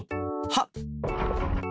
はっ！